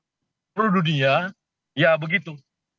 seluruh dunia ya begitu